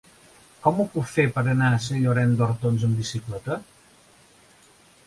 Com ho puc fer per anar a Sant Llorenç d'Hortons amb bicicleta?